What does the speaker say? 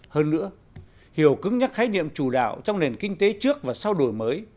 hơn nữa hiểu cứng nhắc khái niệm chủ đạo trong nền kinh tế trước và sau đổi mới